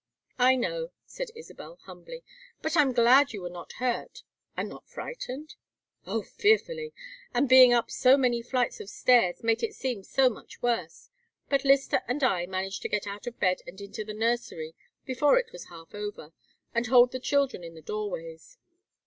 "I know," said Isabel, humbly. "But I am glad you were not hurt. And not frightened?" "Oh, fearfully. And being up so many flights of stairs made it seem so much worse. But Lyster and I managed to get out of bed and into the nursery before it was half over, and hold the children in the doorways.